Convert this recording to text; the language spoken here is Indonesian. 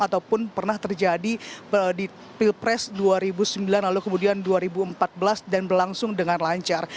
ataupun pernah terjadi di pilpres dua ribu sembilan lalu kemudian dua ribu empat belas dan berlangsung dengan lancar